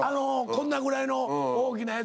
こんなぐらいの大きなやつで。